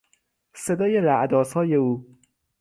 صدای رعد آسای او